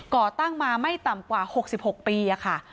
ก่อตั้งมาไม่ต่ำกว่า๖๖ปีค่ะ